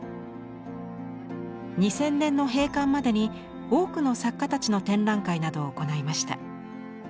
２０００年の閉館までに多くの作家たちの展覧会などを行いました。